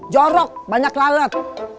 jorok banyak lalat